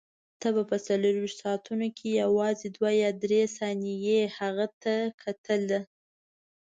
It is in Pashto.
ته به په څلورویشتو ساعتو کې یوازې دوه یا درې ثانیې هغه ته کتلې.